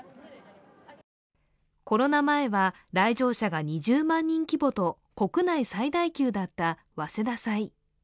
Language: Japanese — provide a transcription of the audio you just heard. コロナ前は来場者が２０万人規模と国内最大級だった早稲田祭。